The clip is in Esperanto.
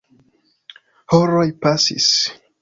Horoj pasis.